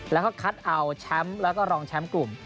แล้วก็คัดเอาแชมป์แล้วก็รองแชมป์กลุ่ม